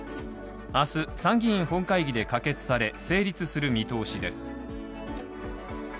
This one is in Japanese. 明日、参議院本会議で可決され、成立する見通しです。